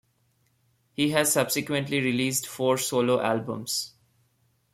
He has subsequently released four solo albums.